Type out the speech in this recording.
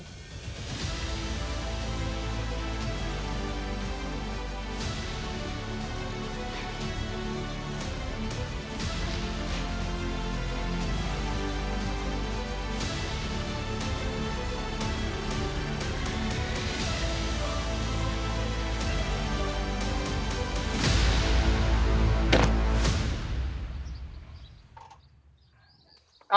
ว่าที่จะได้